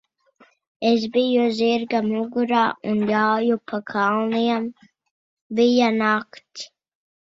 Es biju zirga mugurā un jāju pa kalniem. Bija nakts.